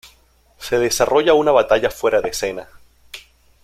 Se desarrolla una batalla fuera de escena.